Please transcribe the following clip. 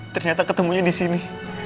ternyata ketemunya disini